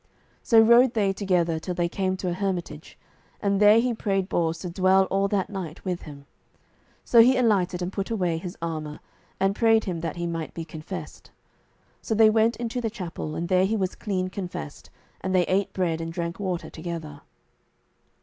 So rode they together till they came to a hermitage, and there he prayed Bors to dwell all that night with him. So he alighted and put away his armour, and prayed him that he might be confessed. So they went into the chapel, and there he was clean confessed; and they ate bread and drank water together.